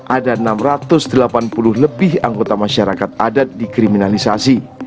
ada enam ratus delapan puluh lebih anggota masyarakat adat dikriminalisasi